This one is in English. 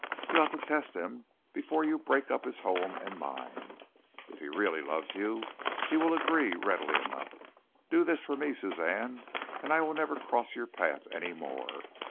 You ought to test him before you break up his home and mine. If he really loves you, he will agree readily enough. Do this for me, Suzanne, and I will never cross your path any more.